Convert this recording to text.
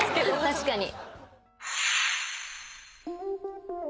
確かに。